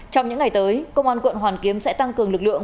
trong những ngày tới công an quận hoàn kiếm sẽ tăng cường lực lượng